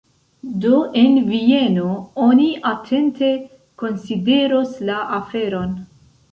Do en Vieno oni atente konsideros la aferon.